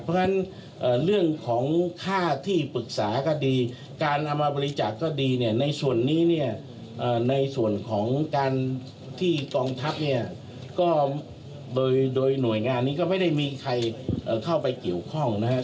เพราะฉะนั้นเรื่องของค่าที่ปรึกษาก็ดีการเอามาบริจาคก็ดีเนี่ยในส่วนนี้เนี่ยในส่วนของการที่กองทัพเนี่ยก็โดยหน่วยงานนี้ก็ไม่ได้มีใครเข้าไปเกี่ยวข้องนะครับ